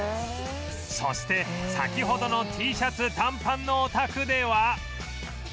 そして先ほどの Ｔ シャツ短パンのお宅では